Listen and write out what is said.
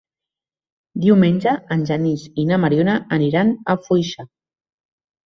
Diumenge en Genís i na Mariona aniran a Foixà.